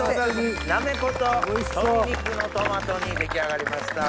なめこと鶏肉のトマト煮出来上がりました。